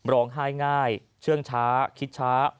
ร้องไห้ง่ายเชื่องช้าคิดช้า